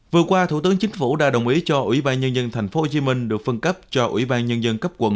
vừa qua thủ tướng chính phủ đã đồng ý cho ủy ban nhân dân tp hcm được phân cấp cho ủy ban nhân dân cấp quận